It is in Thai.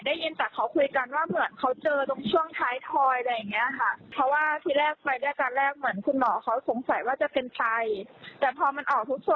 ดังนี้คุณหมอเขาได้ตัดทิ้งไตว่าไตไม่น่าใช่อะไรแบบเนี้ยค่ะ